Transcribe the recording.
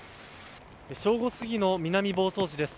正午すぎの南房総市です。